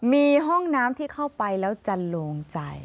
มีห้องน้ำที่เข้าไปแล้วจะโลงใจ